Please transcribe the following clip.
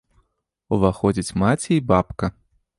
Уваходзяць маці і бабка.